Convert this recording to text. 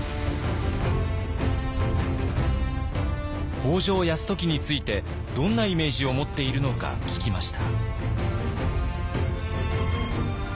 北条泰時についてどんなイメージを持っているのか聞きました。